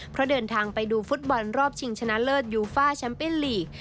เพราะเดินทางไปดูฟุตบอลรอบชิงชนะเลิศยูฟ่าแชมเป้นลีก